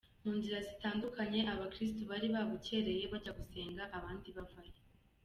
Mu nzira zitandukanye, abakirisitu bari babukereye bajya gusenga abandi bavayo.